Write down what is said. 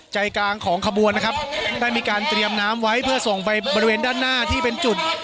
ใจกลางของขบวนนะครับได้มีการเตรียมน้ำไว้เพื่อส่งไปบริเวณด้านหน้าที่เป็นจุด